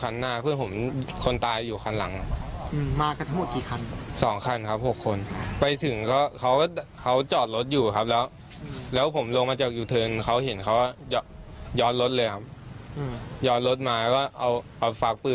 แล้วก็หนึ่งในนั้นแหละยิงก่อนครับ